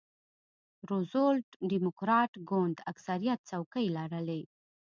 روزولټ ډیموکراټ ګوند اکثریت څوکۍ لرلې.